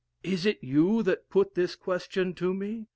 Is it you that put this question to me?